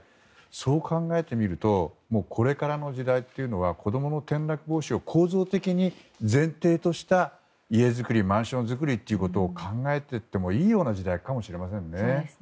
そう考えてみるとこれからの時代というのは子供の転落防止を構造的に前提とした家作り、マンション作りを考えていってもいい時代かもしれないですね。